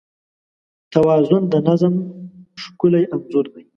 توازن د نظم ښکلی انځور دی.